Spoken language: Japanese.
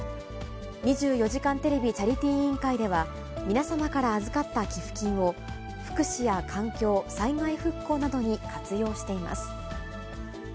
２４時間テレビチャリティー委員会では、皆様から預かった寄付金を、福祉や環境、災害復興などに活用しています。